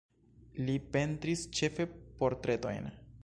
Li pentris ĉefe portretojn.